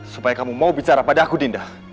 supaya kamu mau bicara padaku dinda